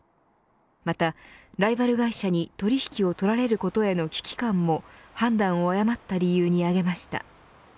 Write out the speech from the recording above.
また、ライバル会社に取引を取られることへの危機感も判断を誤った理由に挙げました。